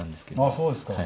あそうですか。